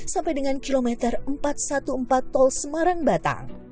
sampai dengan kilometer empat ratus empat belas tol semarang batang